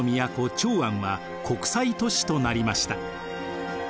長安は国際都市となりました。